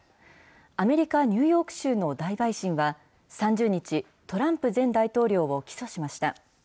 アメリカ・ニューヨーク州の大陪審は３０日、トランプ前大統領を起訴しました。